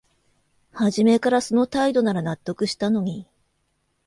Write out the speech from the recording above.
はじめからその態度なら納得したのに